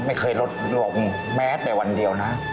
ไม่เคยลดลงแม้แต่วันเดียวนะ